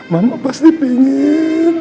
mama pasti pengen